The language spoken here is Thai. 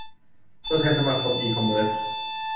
ตัวแทนสมาคมอีคอมเมิร์ช